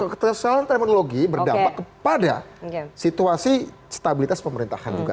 kesalahan terminologi berdampak kepada situasi stabilitas pemerintahan juga